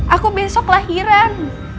aku besok lahiran